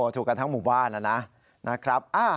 ถูกกันทั้งหมู่บ้านนะครับ